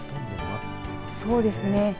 そうですね。